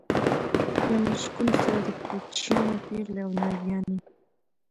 له مشکونو سره د کوچیانو پېغلې او ناويانې.